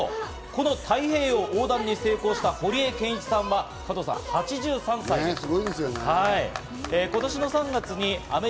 この太平洋横断に成功した堀江謙一さんは８３歳です。